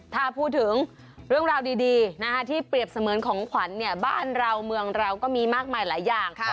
ถ้าพูดถึงเรื่องราวดีที่เปรียบเสมือนของขวัญบ้านเราเมืองเราก็มีมากมายหลายอย่าง